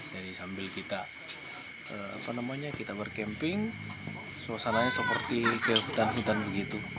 jadi sambil kita berkemping suasananya seperti hutan hutan begitu